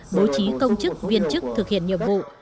bố trí công chức viên chức thực hiện nhiệm vụ